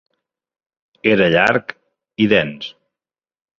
Era llarg i dens.